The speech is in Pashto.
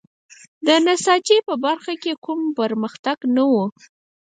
د نساجۍ په برخه کې کوم پرمختګ نه و.